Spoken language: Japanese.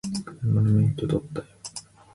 車の免許取ったよ